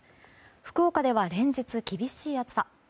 福岡では連日厳しい暑さ。